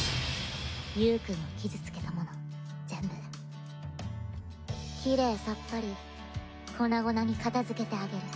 ゆーくんを傷つけたもの全部きれいさっぱり粉々に片づけてあげる。